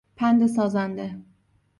پند سازنده